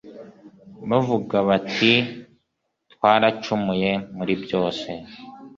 bavuga bati twaracumuye muri byose